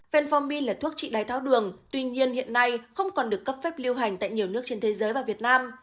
vnpformi là thuốc trị đáy tháo đường tuy nhiên hiện nay không còn được cấp phép lưu hành tại nhiều nước trên thế giới và việt nam